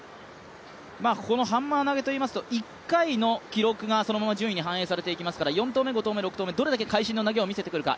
このハンマー投げといいますと１回の記録がそのまま順位に反映されてきますので４投目、５投目、６投目、どれだけ会心の投げを見せてくるか。